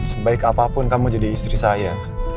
sebaik apapun kamu jadi istri saya